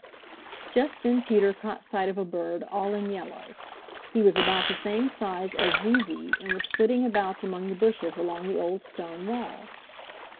Just then Peter caught sight of a bird all in yellow. He was about the same size as Zee Zee and was flitting about among the bushes along the old stone wall.